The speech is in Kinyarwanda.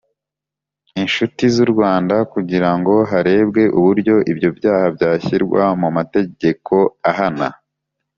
inshuti z u Rwanda kugira ngo harebwe uburyo ibyo byaha byashyirwa mu mategeko ahana y